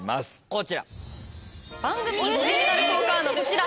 こちら。